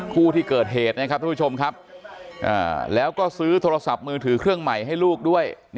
คู่ที่เกิดเหตุแล้วก็ซื้อโทรศัพท์มือถือเครื่องใหม่ให้ลูกด้วย